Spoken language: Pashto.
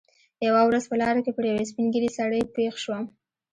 یوه ورځ په لاره کې پر یوه سپین ږیري سړي پېښ شوم.